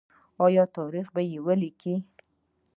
آیا تاریخ به یې ولیکي؟